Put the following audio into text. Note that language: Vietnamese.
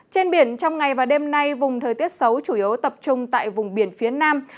trên biển trong ngày và đêm nay vùng thời tiết xấu chủ yếu tập trung tại vùng biển phía nam